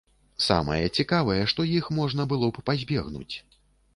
Самае цікавае, што іх можна было б пазбегнуць.